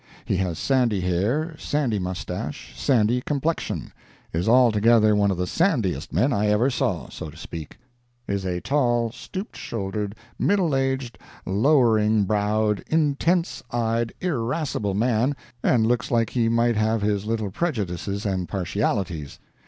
He has sandy hair, sandy mustache, sandy complexion—is altogether one of the sandiest men I ever saw, so to speak: is a tall, stoop shouldered, middle aged lowering browed, intense eyed, irascible man and looks like he might have his little prejudices and partialities.